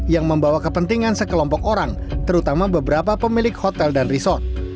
yang membawa kepentingan sekelompok orang terutama beberapa pemilik hotel dan resort